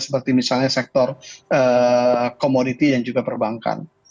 seperti misalnya sektor komoditi dan juga perbankan